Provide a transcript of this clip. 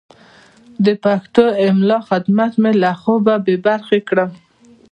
د پښتو د املا خدمت مې له خوبه بې برخې کړم.